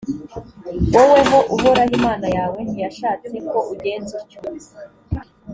woweho uhoraho imana yawe ntiyashatse ko ugenza utyo.